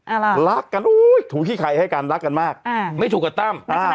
อะไรรักกันอุ้ยถูกขี้ไข่ให้กันรักกันมากอ่าไม่ถูกกับตั้มอ่า